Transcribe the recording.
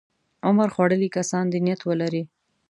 عمر خوړلي کسان دې نیت ولري.